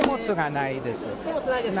荷物はないです。